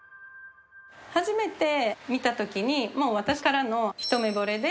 初めて見たときに、もう私からの一目ぼれで。